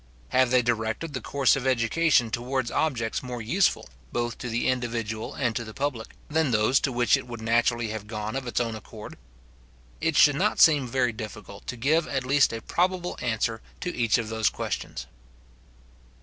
Have they directed the course of education towards objects more useful, both to the individual and to the public, than those to which it would naturally have gone of its own accord? It should not seem very difficult to give at least a probable answer to each of those questions.